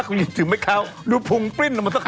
คุณหมดมูนะท์หน่อย